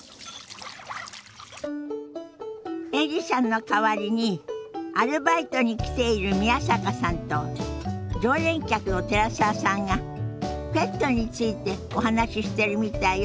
エリさんの代わりにアルバイトに来ている宮坂さんと常連客の寺澤さんがペットについてお話ししてるみたいよ。